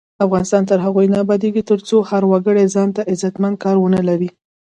افغانستان تر هغو نه ابادیږي، ترڅو هر وګړی ځانته عزتمن کار ونه لري.